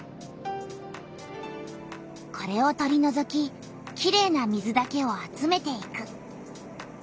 これを取りのぞききれいな水だけを集めていく。